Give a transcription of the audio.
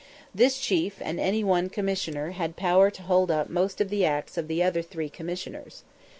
This Chief and any one Commissioner had power to hold up most of the acts of the other three Commissioners.